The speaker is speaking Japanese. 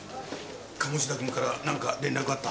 鴨志田君から何か連絡あった？